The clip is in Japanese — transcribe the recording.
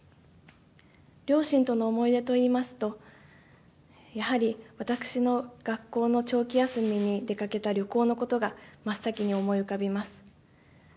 両親との思い出といいますと、やはり、私の学校の長期休みに出かけた旅行のことが真っ先に思い浮かびます。